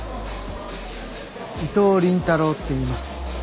伊藤倫太郎って言います。